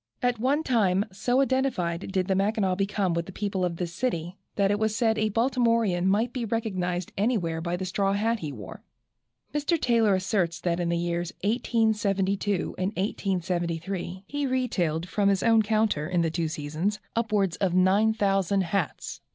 At one time so identified did the Mackinaw become with the people of this city, that it was said a Baltimorean might be recognized anywhere by the straw hat he wore. Mr. Taylor asserts that in the years 1872 and 1873 he retailed from his own counter, in the two seasons, upwards of 9000 hats.